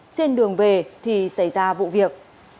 trên đường về thì xảy ra vụ việc